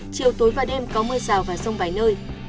chiều tối và đêm có mưa rào và rông vài nơi